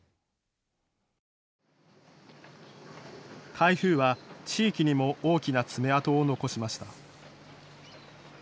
台風は地域にも大きな爪痕を残しました。